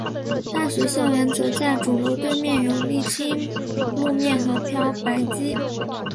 大学校园则在主楼对面有沥青路面和漂白机。